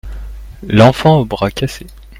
L'enfant au bras cassé.